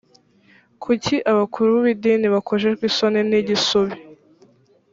kuki abakuru b idini bakojejwe isoni n igisubi